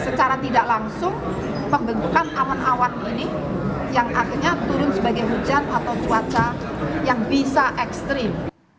secara tidak langsung pembentukan awan awan ini yang akhirnya turun sebagai hujan atau cuaca yang bisa ekstrim